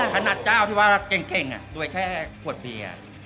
ขนาดเจ้าที่ว่าเก่งอ่ะโดยแค่ขวดเบียน